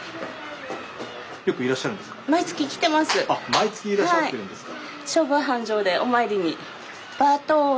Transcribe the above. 毎月いらっしゃってるんですか。